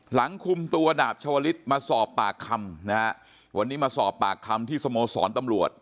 หลังคุมตัวดาบชาวลิศมาสอบปากคำนะฮะวันนี้มาสอบปากคำที่สโมสรตำรวจ